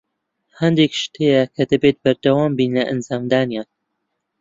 هەندێک شت هەیە کە دەبێت بەردەوام بین لە ئەنجامدانیان.